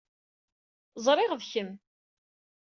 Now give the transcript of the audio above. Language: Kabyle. Ẓriɣ d kemm.